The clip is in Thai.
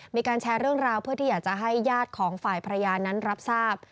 มีการแชร์เรื่องราวเพื่อที่อยากจะให้ญาติของฝ่ายภรรยานั้นรับทราบ